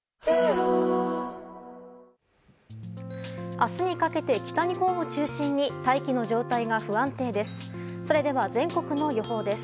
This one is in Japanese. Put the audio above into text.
明日にかけて北日本を中心に大気の状態が不安定です。